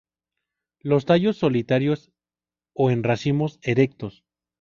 Los tallos solitarios o en racimos, erectos.